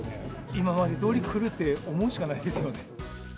今までどおり来るって思うしかないですよね。